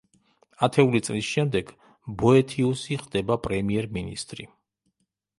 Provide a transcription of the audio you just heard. ათეული წლის შემდეგ ბოეთიუსი ხდება პრემიერ-მინისტრი.